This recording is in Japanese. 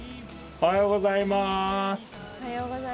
おはようございます。